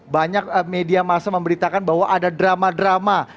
banyak media masa memberitakan bahwa ada drama drama